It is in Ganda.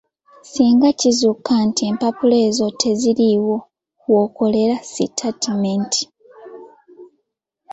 Singa kizuuka nti empapula ezo teziriiwo w’okolera sitaatimenti.